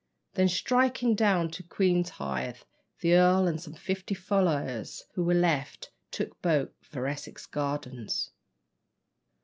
Then striking down to Queenhithe, the earl and some fifty followers who were left took boat for Essex Gardens.